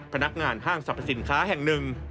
พนักงานห้างสรรพสินค้าแห่งหนึ่ง